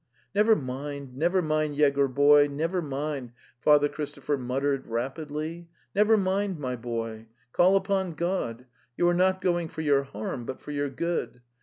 '"Never mind, never mind, Yegor boy, never mind,' Father Christopher muttered rapidly — "never mind, my boy. ... Call upon God... . You are not going for your harm, but for your good.